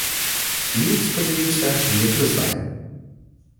І, спадзяюся, не прызнае.